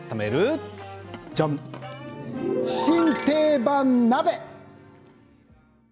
新定番鍋。